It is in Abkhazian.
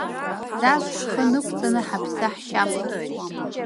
Нас ҳхы нықәҵаны ҳаԥсы ҳшьап!